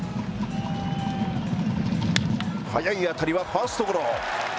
速い当たりはファーストゴロ。